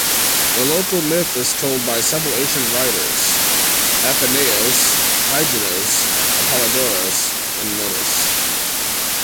The local myth is told by several ancient writers: Athenaios, Hyginos, Apollodoros, and Nonnos.